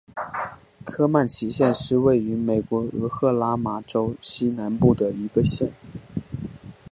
科曼奇县是位于美国俄克拉何马州西南部的一个县。